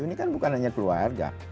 ini kan bukan hanya keluarga